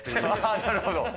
なるほど。